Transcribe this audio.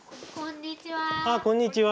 こんにちは。